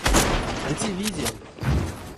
Ды те виде.